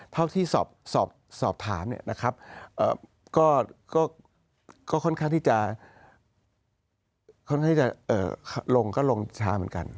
เท่าที่สอบถามเนี่ยนะครับก็ค่อนข้างที่จะค่อนข้างจะลงก็ลงช้าเหมือนกัน